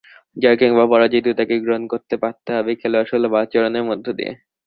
জয় কিংবা পরাজয় দুটোকেই গ্রহণ করতে পারতে হবে খেলোয়াড়সুলভ আচরণের মধ্য দিয়ে।